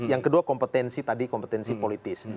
yang kedua kompetensi tadi kompetensi politis